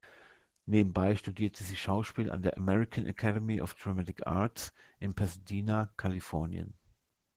Nebenbei studierte sie Schauspiel an der American Academy of Dramatic Arts in Pasadena, Kalifornien.